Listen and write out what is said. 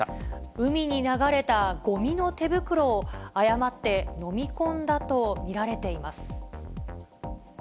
海に流れたごみの手袋を、誤って飲み込んだと見られています。